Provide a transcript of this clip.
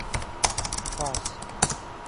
سوپاس!